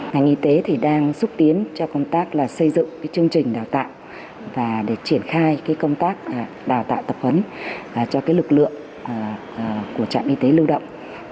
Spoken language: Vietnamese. ngành y tế thì đang xúc tiến cho công tác là xây dựng chương trình đào tạo và để triển khai công tác đào tạo tập huấn cho lực lượng của trạm y tế lưu động